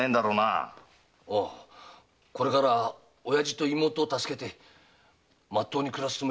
ああこれからは親父と妹を助けてまっとうに暮らすつもりだよ。